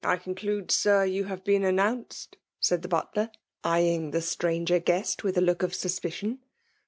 ! conclude, Kr, you hare been antiounoed f* $aid thp butler, eyeing the strkngot gucist ^ifth a look of suspicion.